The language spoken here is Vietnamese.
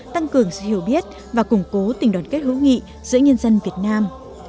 tăng cường sự hiểu biết và củng cố tình đoàn kết hữu nghị giữa nhân dân việt nam